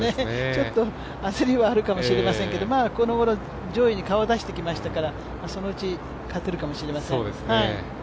ちょっと焦りはあるかもしれませんけどこのごろ上位に顔を出してきましたからそのうち勝てるかもしれません。